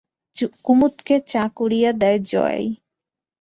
কুমুদকে চা করিয়া দেয় জয়াই।